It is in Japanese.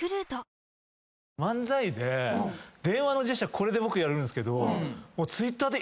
これで僕やるんですけど。